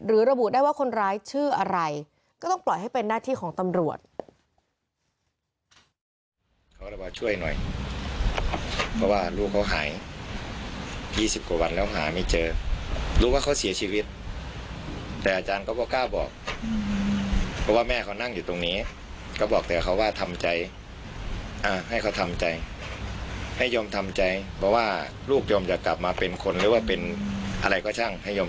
ระบุได้ว่าคนร้ายชื่ออะไรก็ต้องปล่อยให้เป็นหน้าที่ของตำรวจ